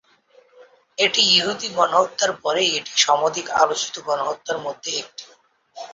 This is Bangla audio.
এটি ইহুদি গণহত্যার পরেই এটি সমধিক আলোচিত গণহত্যার মধ্যে একটি।